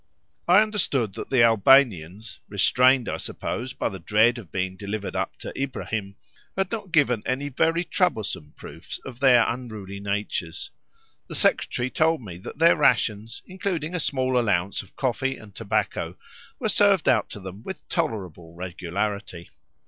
I understood that the Albanians (restrained, I suppose, by the dread of being delivered up to Ibrahim) had not given any very troublesome proofs of their unruly natures. The secretary told me that their rations, including a small allowance of coffee and tobacco, were served out to them with tolerable regularity.